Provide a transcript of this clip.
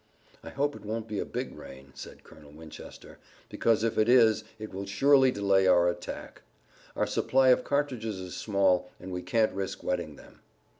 "I hope it won't be a big rain," said Colonel Winchester, "because if it is it will surely delay our attack. Our supply of cartridges is small, and we can't risk wetting them."